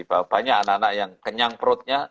bahwa banyak anak anak yang kenyang perutnya